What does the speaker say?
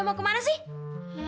mau ke mana sih